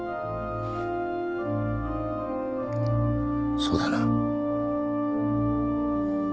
そうだな。